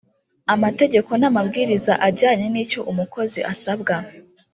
Amategeko n,amabwiriza ajyanye nicyo umukozi asabwa.